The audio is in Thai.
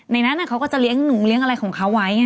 ในนั้นเขาก็จะเลี้ยงหนูเลี้ยงอะไรของเขาไว้